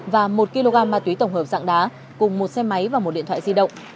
và một kg ma túy tổng hợp dạng đá cùng một xe máy và một điện thoại di động